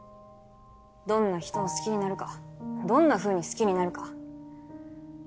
どんな人を好きになるかどんなふうに好きになるか。